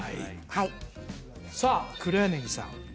はいさあ黒柳さん